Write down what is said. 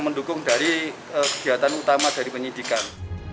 mendukung dari kegiatan utama dari penyidikan